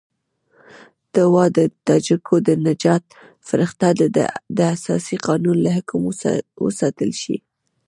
ته وا د تاجکو د نجات فرښته د اساسي قانون له حکم وستایل شي.